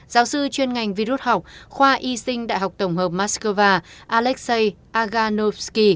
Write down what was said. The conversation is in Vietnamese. giáo sư chuyên ngành virus học khoa y sinh đại học tổng hợp moscow alexei aganovsky